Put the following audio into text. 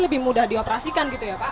lebih mudah dioperasikan gitu ya pak